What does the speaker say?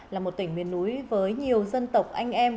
là một tỉnh miền núi với nhiều dân tộc anh em